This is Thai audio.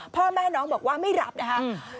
พ่อแม่น้องบอกว่าไม่รับนะคะ